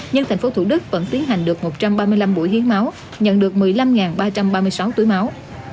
nhưng tp thủ đức vẫn tiến hành được một trăm ba mươi năm buổi hiến máu nhận được một mươi năm ba trăm ba mươi sáu tuổi máu